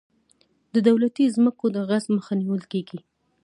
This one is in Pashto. د دولتي ځمکو د غصب مخه نیول کیږي.